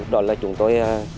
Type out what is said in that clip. đó là chúng tôi